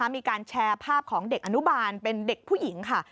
มีการแชร์ภาพของเด็กอนุบาลเป็นเด็กผู้หญิงค่ะ